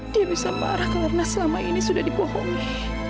dia bisa marah karena selama ini sudah dipohongi